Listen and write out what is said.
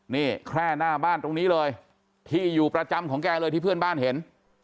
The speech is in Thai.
นี่แค่หน้าบ้านตรงนี้เลยที่อยู่ประจำของแกเลยที่เพื่อนบ้านเห็น